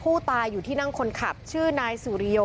พวกมันต้องกินกันพี่